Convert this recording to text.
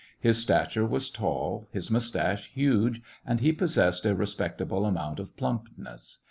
His stature was tall, his moustache huge, and he possessed a respectable amount of plumpness.